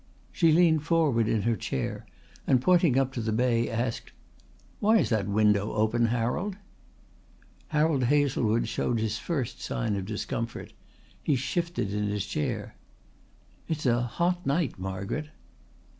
She leaned forward in her chair and pointing up to the bay asked: "Why is that window open, Harold?" Harold Hazlewood showed his first sign of discomfort. He shifted in his chair. "It's a hot night, Margaret."